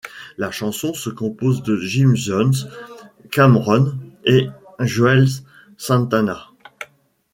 La chanson se compose de Jim Jones, Cam'ron et Juelz Santana.